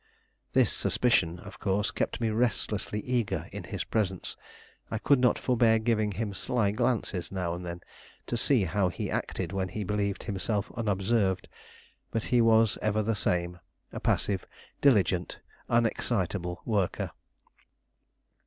This suspicion, of course, kept me restlessly eager in his presence. I could not forbear giving him sly glances now and then, to see how he acted when he believed himself unobserved; but he was ever the same, a passive, diligent, unexcitable worker.